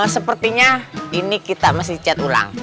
sepertinya ini kita mesti cek ulang